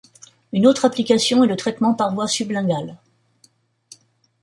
Une autre application est le traitement par voie sub-linguale.